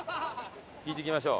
聞いてきましょう。